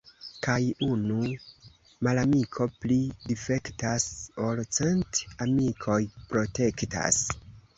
Kaj unu malamiko pli difektas, ol cent amikoj protektas.